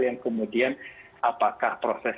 yang kemudian apakah proses